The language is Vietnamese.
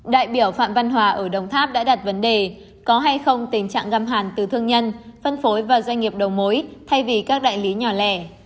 đại biểu phạm văn hòa ở đồng tháp đã đặt vấn đề có hay không tình trạng găm hàng từ thương nhân phân phối và doanh nghiệp đầu mối thay vì các đại lý nhỏ lẻ